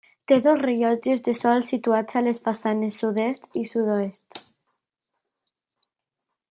Té dos rellotges de sol situats a les façanes sud-est i sud-oest.